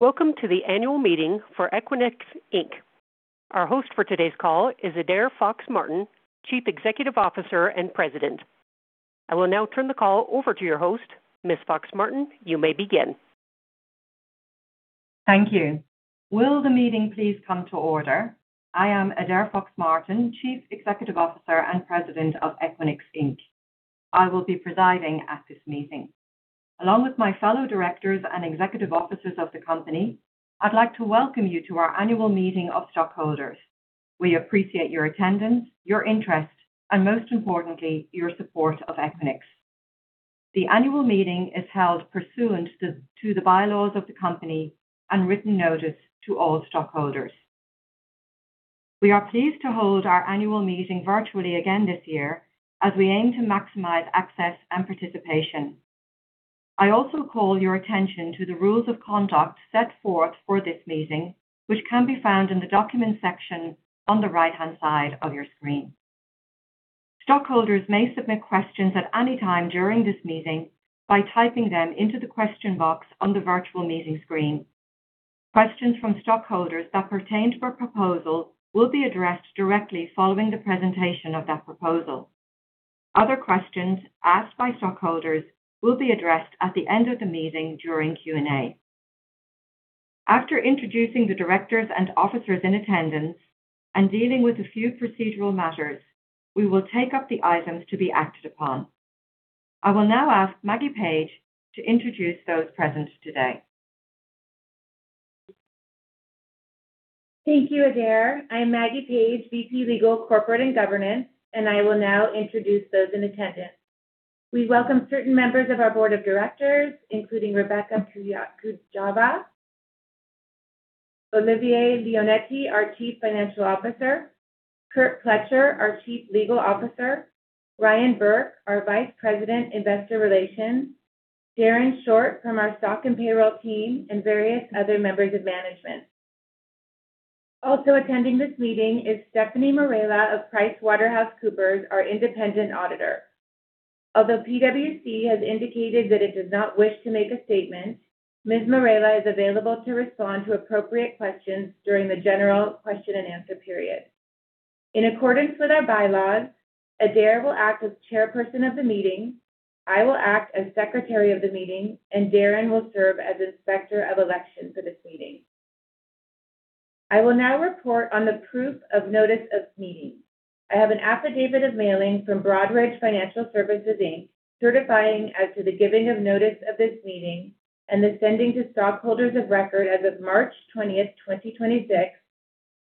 Welcome to the annual meeting for Equinix Inc. Our host for today's call is Adaire Fox-Martin, Chief Executive Officer and President. I will now turn the call over to your host. Ms. Fox-Martin, you may begin. Thank you. Will the meeting please come to order? I am Adaire Fox-Martin, Chief Executive Officer and President of Equinix Inc. I will be presiding at this meeting. Along with my fellow directors and executive officers of the company, I'd like to welcome you to our annual meeting of stockholders. We appreciate your attendance, your interest, and most importantly, your support of Equinix. The annual meeting is held pursuant to the bylaws of the company and written notice to all stockholders. We are pleased to hold our annual meeting virtually again this year as we aim to maximize access and participation. I also call your attention to the rules of conduct set forth for this meeting, which can be found in the documents section on the right-hand side of your screen. Stockholders may submit questions at any time during this meeting by typing them into the question box on the virtual meeting screen. Questions from stockholders that pertain to a proposal will be addressed directly following the presentation of that proposal. Other questions asked by stockholders will be addressed at the end of the meeting during Q&A. After introducing the directors and officers in attendance and dealing with a few procedural matters, we will take up the items to be acted upon. I will now ask Maggie Paige to introduce those present today. Thank you, Adaire. I am Maggie Paige, VP Legal, Corporate and Governance, and I will now introduce those in attendance. We welcome certain members of our Board of Directors, including Rebecca Kujawa, Olivier Leonetti, our Chief Financial Officer, Kurt Pletcher, our Chief Legal Officer, Ryan Burke, our Vice President, Investor Relations, Darren Short from our stock and payroll team, and various other members of management. Also attending this meeting is Stephanie Marela of PricewaterhouseCoopers, our independent auditor. Although PwC has indicated that it does not wish to make a statement, Ms. Marela is available to respond to appropriate questions during the general question and answer period. In accordance with our bylaws, Adaire will act as chairperson of the meeting. I will act as secretary of the meeting, and Darren will serve as inspector of election for this meeting. I will now report on the proof of notice of meeting. I have an affidavit of mailing from Broadridge Financial Solutions, Inc., certifying as to the giving of notice of this meeting and the sending to stockholders of record as of March 20, 2026,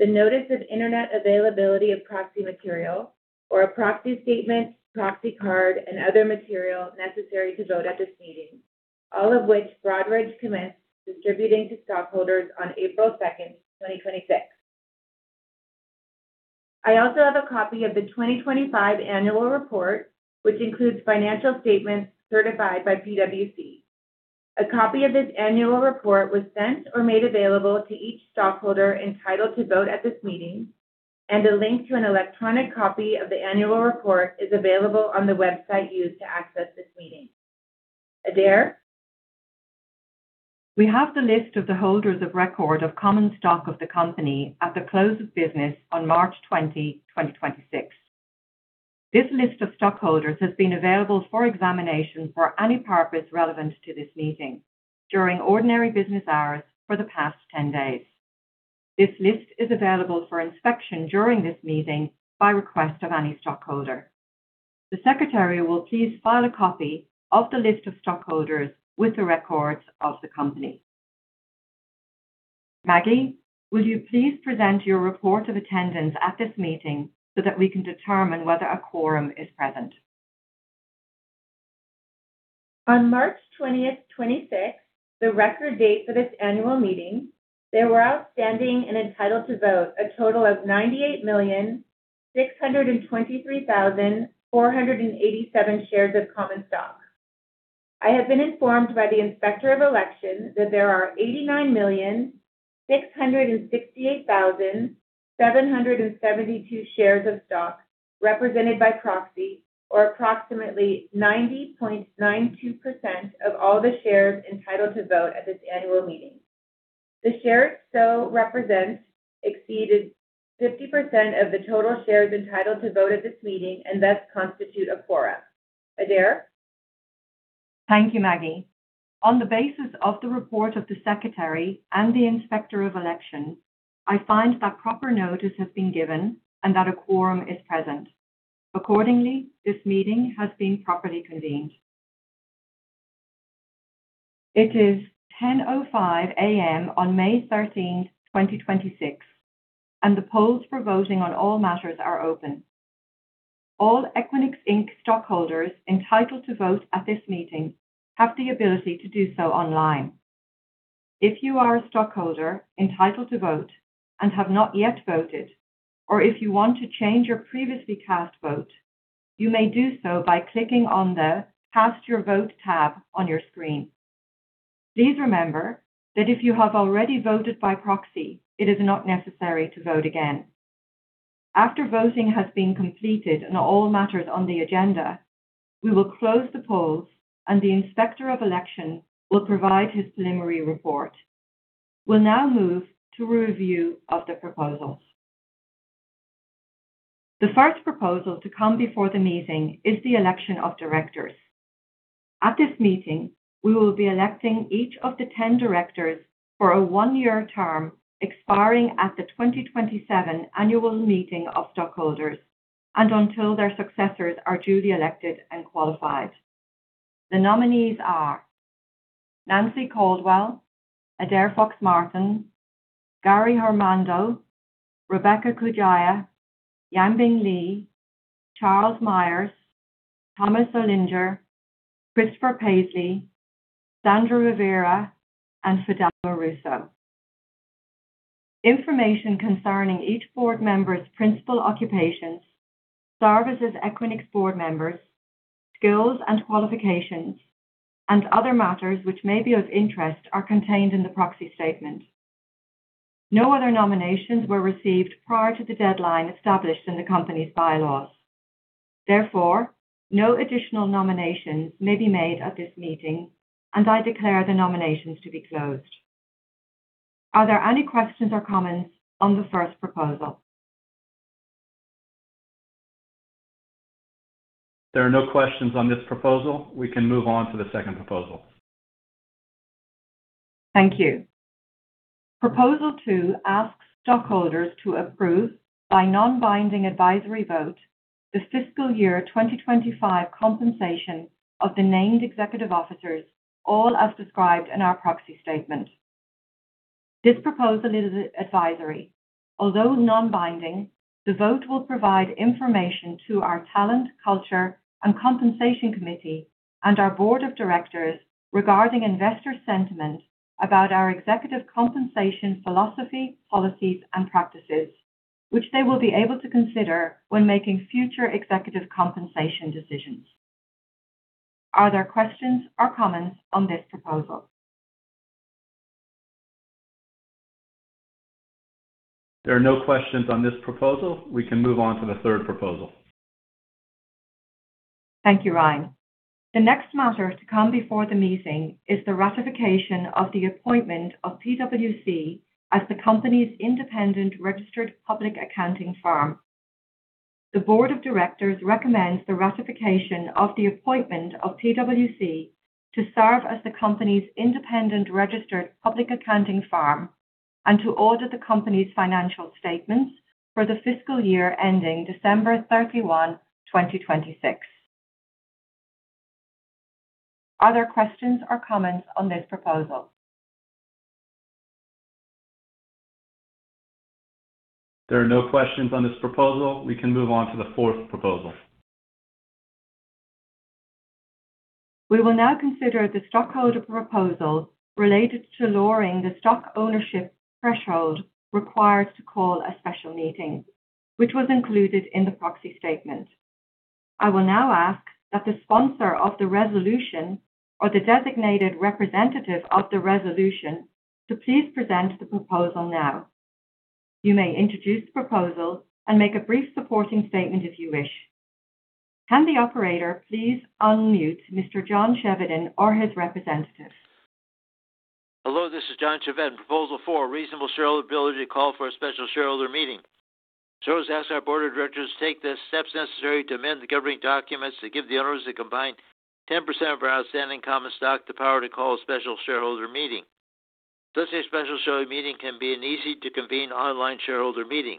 the notice of internet availability of proxy material or a proxy statement, proxy card, and other material necessary to vote at this meeting, all of which Broadridge commenced distributing to stockholders on April 2, 2026. I also have a copy of the 2025 annual report, which includes financial statements certified by PwC. A copy of this annual report was sent or made available to each stockholder entitled to vote at this meeting, and a link to an electronic copy of the annual report is available on the website used to access this meeting. Adaire. We have the list of the holders of record of common stock of the company at the close of business on March 20, 2026. This list of stockholders has been available for examination for any purpose relevant to this meeting during ordinary business hours for the past 10 days. This list is available for inspection during this meeting by request of any stockholder. The secretary will please file a copy of the list of stockholders with the records of the company. Maggie, will you please present your report of attendance at this meeting so that we can determine whether a quorum is present? On March 20, 2026, the record date for this annual meeting, there were outstanding and entitled to vote a total of 98,623,487 shares of common stock. I have been informed by the Inspector of Election that there are 89,668,772 shares of stock represented by proxy, or approximately 90.92% of all the shares entitled to vote at this annual meeting. The shares so represent exceeded 50% of the total shares entitled to vote at this meeting and thus constitute a quorum. Adaire. Thank you, Maggie. On the basis of the report of the Secretary and the Inspector of Election, I find that proper notice has been given and that a quorum is present. Accordingly, this meeting has been properly convened. It is 10:05 A.M. on May 13th, 2026, and the polls for voting on all matters are open. All Equinix, Inc. stockholders entitled to vote at this meeting have the ability to do so online. If you are a stockholder entitled to vote and have not yet voted, or if you want to change your previously cast vote, you may do so by clicking on the Cast your vote tab on your screen. Please remember that if you have already voted by proxy, it is not necessary to vote again. After voting has been completed on all matters on the agenda, we will close the polls, and the Inspector of Election will provide his preliminary report. We'll now move to a review of the proposals. The first proposal to come before the meeting is the election of directors. At this meeting, we will be electing each of the 10 directors for a one year term, expiring at the 2027 annual meeting of stockholders and until their successors are duly elected and qualified. The nominees are Nanci Caldwell, Adaire Fox-Martin, Gary Hromadko, Rebecca Kujawa, Yanbing Li, Charles Meyers, Thomas Olinger, Christopher Paisley, Sandra Rivera, and Fidelma Russo. Information concerning each board member's principal occupations, service as Equinix board members, skills and qualifications, and other matters which may be of interest are contained in the proxy statement. No other nominations were received prior to the deadline established in the company's bylaws. Therefore, no additional nominations may be made at this meeting, and I declare the nominations to be closed. Are there any questions or comments on the first proposal? There are no questions on this proposal. We can move on to the second proposal. Thank you. Proposal 2 asks stockholders to approve by non-binding advisory vote the fiscal year 2025 compensation of the named executive officers, all as described in our proxy statement. This proposal is advisory. Although non-binding, the vote will provide information to our Talent, Culture, and Compensation Committee and our Board of Directors regarding investor sentiment about our executive compensation philosophy, policies, and practices, which they will be able to consider when making future executive compensation decisions. Are there questions or comments on this proposal? There are no questions on this proposal. We can move on to the third proposal. Thank you, Ryan. The next matter to come before the meeting is the ratification of the appointment of PwC as the company's independent registered public accounting firm. The board of directors recommends the ratification of the appointment of PwC to serve as the company's independent registered public accounting firm and to audit the company's financial statements for the fiscal year ending December 31, 2026. Are there questions or comments on this proposal? There are no questions on this proposal. We can move on to the fourth proposal. We will now consider the stockholder proposal related to lowering the stock ownership threshold required to call a special meeting, which was included in the proxy statement. I will now ask that the sponsor of the resolution or the designated representative of the resolution to please present the proposal now. You may introduce the proposal and make a brief supporting statement if you wish. Can the operator please unmute Mr. John Chevedden or his representative? Hello, this is John Chevedden, Proposal 4, reasonable shareholder ability to call for a special shareholder meeting. As to ask our board of directors to take the steps necessary to amend the governing documents to give the owners that combine 10% of our outstanding common stock the power to call a special shareholder meeting. Such a special shareholder meeting can be an easy to convene online shareholder meeting.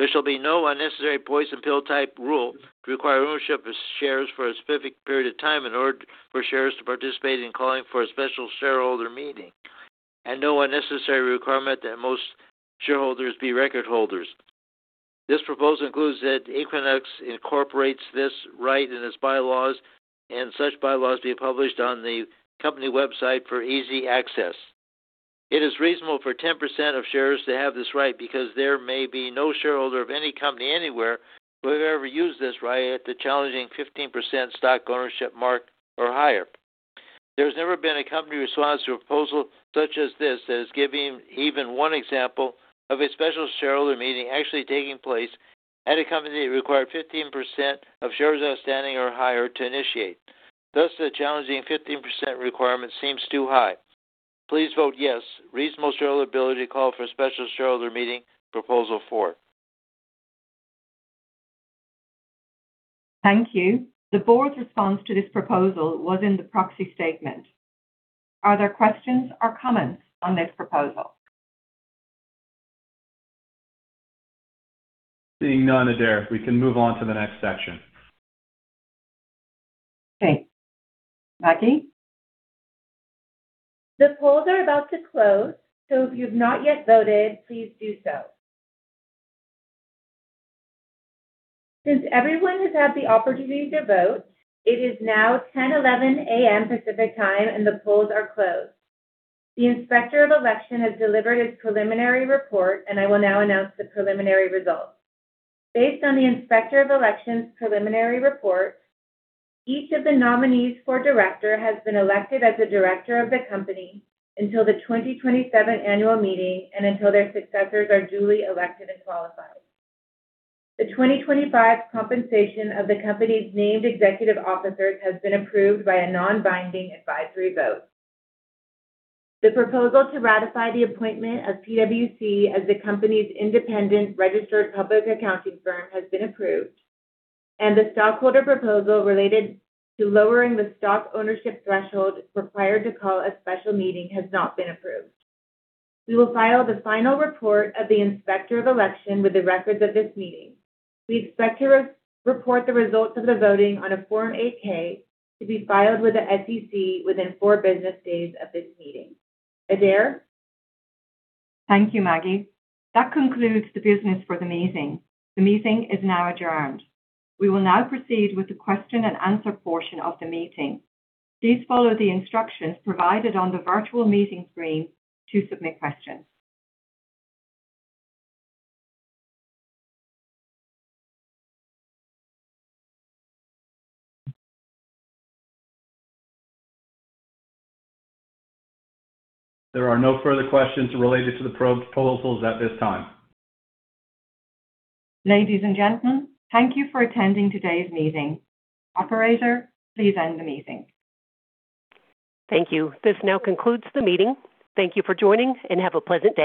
There shall be no unnecessary poison pill type rule to require ownership of shares for a specific period of time in order for shares to participate in calling for a special shareholder meeting and no unnecessary requirement that most shareholders be record holders. This proposal includes that Equinix incorporates this right in its bylaws and such bylaws be published on the company website for easy access. It is reasonable for 10% of shares to have this right because there may be no shareholder of any company anywhere who have ever used this right at the challenging 15% stock ownership mark or higher. There has never been a company response to a proposal such as this that is giving even one example of a special shareholder meeting actually taking place at a company that required 15% of shares outstanding or higher to initiate. Thus, the challenging 15% requirement seems too high. Please vote yes. Reasonable shareholder ability call for a special shareholder meeting, Proposal 4. Thank you. The board's response to this proposal was in the proxy statement. Are there questions or comments on this proposal? Seeing none, Adaire, we can move on to the next section. Okay. Maggie Paige? The polls are about to close, so if you've not yet voted, please do so. Since everyone has had the opportunity to vote, it is now 10:11 A.M. Pacific Time. The polls are closed. The Inspector of Election has delivered his preliminary report. I will now announce the preliminary results. Based on the Inspector of Election's preliminary report, each of the nominees for director has been elected as a director of the company until the 2027 annual meeting and until their successors are duly elected and qualified. The 2025 compensation of the company's named executive officers has been approved by a non-binding advisory vote. The proposal to ratify the appointment of PwC as the company's independent registered public accounting firm has been approved. The stockholder proposal related to lowering the stock ownership threshold required to call a special meeting has not been approved. We will file the final report of the Inspector of Election with the records of this meeting. We expect to re-report the results of the voting on a Form 8-K to be filed with the SEC within four business days of this meeting. Adaire? Thank you, Maggie. That concludes the business for the meeting. The meeting is now adjourned. We will now proceed with the question and answer portion of the meeting. Please follow the instructions provided on the virtual meeting screen to submit questions. There are no further questions related to the proposals at this time. Ladies and gentlemen, thank you for attending today's meeting. Operator, please end the meeting. Thank you. This now concludes the meeting. Thank you for joining, and have a pleasant day.